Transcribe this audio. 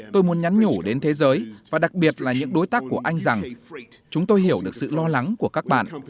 tôi muốn nhắn nhủ đến thế giới và đặc biệt là những đối tác của anh rằng chúng tôi hiểu được sự lo lắng của các bạn